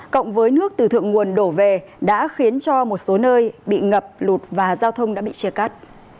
cộng với nước từ thượng nguồn đổ về đã khiến cho một số nơi bị ngập lụt và giao thông đã bị chia cắt